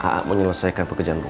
kamu mau selesaikan pekerjaan kamu